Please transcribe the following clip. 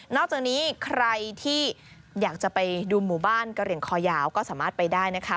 จากนี้ใครที่อยากจะไปดูหมู่บ้านกะเหลี่ยงคอยาวก็สามารถไปได้นะคะ